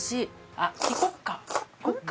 あっ聞こっか。